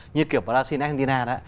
như kiểu brazil argentina đó